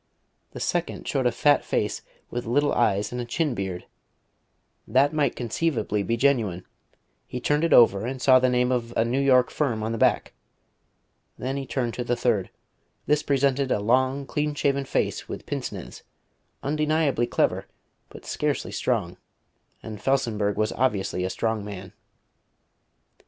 The second showed a fat face with little eyes and a chin beard. That might conceivably be genuine: he turned it over and saw the name of a New York firm on the back. Then he turned to the third. This presented a long, clean shaven face with pince nez, undeniably clever, but scarcely strong: and Felsenburgh was obviously a strong man.